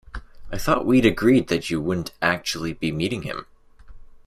I thought we'd agreed that you wouldn't actually be meeting him?